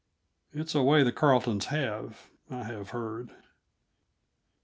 It's a way the Carletons have, I have heard.